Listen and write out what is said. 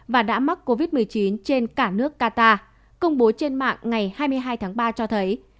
và đã mắc covid một mươi chín trên cả nước qatar công bố trên mạng ngày hai mươi hai tháng ba cho thấy